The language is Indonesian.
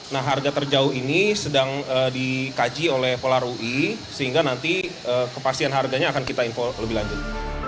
nah harga terjauh ini sedang dikaji oleh polar ui sehingga nanti kepastian harganya akan kita info lebih lanjut